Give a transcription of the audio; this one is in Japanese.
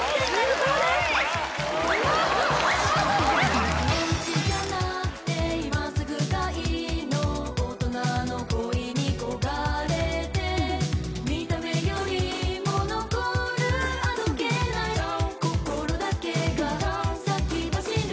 そのうちじゃなくて今すぐがいいの大人の恋に焦がれて見た目よりも残るあどけないＡｈ心だけがＡｈ先走る